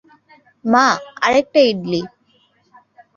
মা, আরেকটা ইডলি।